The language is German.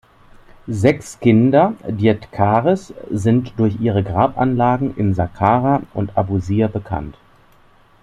Sechs Kinder Djedkares sind durch ihre Grabanlagen in Sakkara und Abusir bekannt.